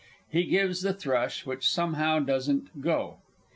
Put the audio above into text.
(_He gives the Thrush which somehow doesn't "go."